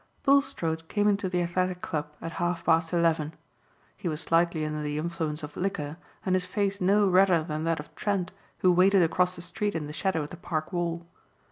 Bulstrode came into the athletic club at half past eleven. He was slightly under the influence of liquor and his face no redder than that of Trent who waited across the street in the shadow of the Park wall.